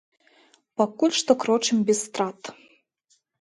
Пакуль што крочым без страт.